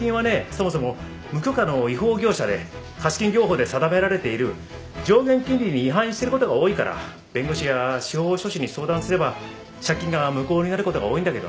そもそも無許可の違法業者で貸金業法で定められている上限金利に違反してる事が多いから弁護士や司法書士に相談すれば借金が無効になる事が多いんだけどね。